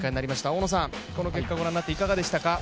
大野さん、この結果をご覧になっていかがでしたか？